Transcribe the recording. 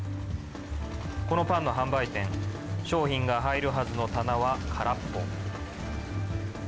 このパンの販売店、商品が入るはずの棚は空っぽ。